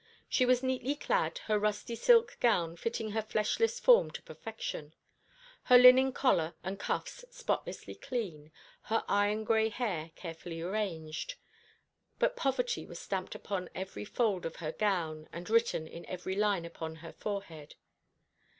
She was neatly clad, her rusty silk gown fitting her fleshless form to perfection, her linen collar and cuffs spotlessly clean, her iron gray hair carefully arranged; but poverty was stamped upon every fold of her gown, and written in every line upon her forehead.